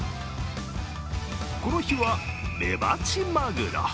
この日はメバチマグロ。